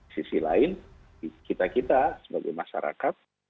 sisi lain kita kita sebagai masyarakat